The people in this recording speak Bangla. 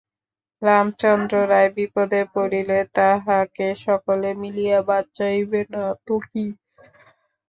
রামচন্দ্র রায় বিপদে পড়িলে তাঁহাকে সকলে মিলিয়া বাঁচাইবে না তো কি!